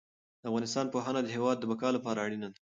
د افغانستان پوهنه د هېواد د بقا لپاره اړینه ده.